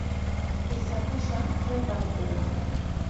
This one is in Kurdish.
Qîsexweşan ker dan guran.